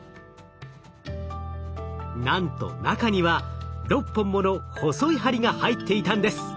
なんと中には６本もの細い針が入っていたんです。